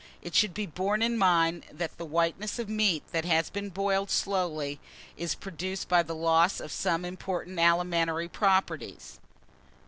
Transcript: It should be borne in mind, that the whiteness of meat that has been boiled slowly, is produced by the loss of some important alimentary properties.